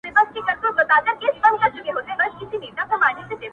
راسه د ميني اوښكي زما د زړه پر غره راتوی كړه!